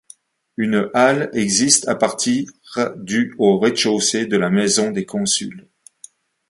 Une halle existe à partir du au rez-de-chaussée de la maison des consuls.